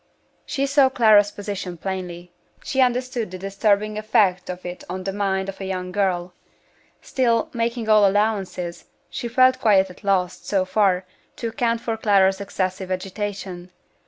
She saw Clara's position plainly; she understood the disturbing effect of it on the mind of a young girl. Still, making all allowances, she felt quite at a loss, so far, to account for Clara's excessive agitation.